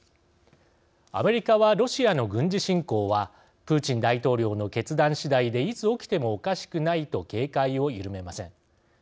アメリカは、ロシアの軍事侵攻はプーチン大統領の決断次第でいつ起きてもおかしくないと警戒を緩めません。